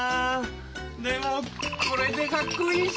でもこれかっこいいし